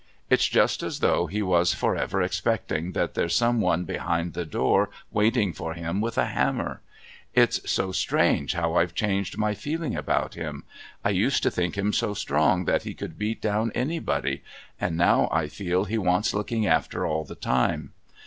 It's just as though he was for ever expecting that there's some one behind the door waiting for him with a hammer. It's so strange how I've changed my feeling about him. I used to think him so strong that he could beat down anybody, and now I feel he wants looking after all the time.